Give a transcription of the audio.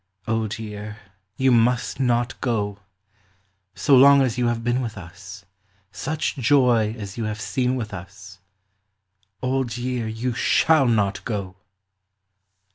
Old year, you must not go ; So long as you have been with us, Such joy as you have seen with us, Old year, you shall not go.